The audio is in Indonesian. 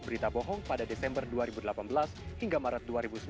berita bohong pada desember dua ribu delapan belas hingga maret dua ribu sembilan belas